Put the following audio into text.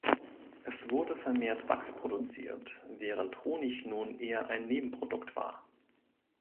Es wurde vermehrt Wachs produziert, während Honig nun eher ein Nebenprodukt war.